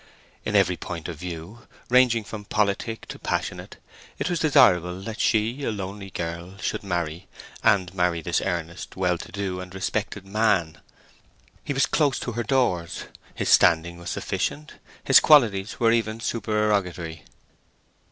In every point of view, ranging from politic to passionate, it was desirable that she, a lonely girl, should marry, and marry this earnest, well to do, and respected man. He was close to her doors: his standing was sufficient: his qualities were even supererogatory.